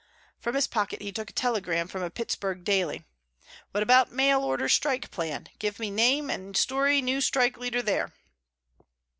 From his pocket he took a telegram from a Pittsburgh daily. "What about mail order strike plan? Give name and story new strike leader there."